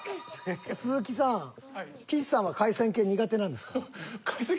鈴木さん岸さんは海鮮系苦手なんですか？